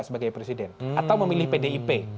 sebagai presiden atau memilih pdip